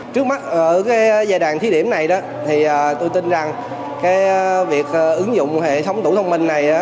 trước mắt ở cái giai đoạn thí điểm này đó thì tôi tin rằng cái việc ứng dụng hệ thống tủ thông minh này